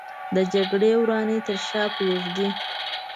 د جګړې ورانۍ تر شا پرېږدي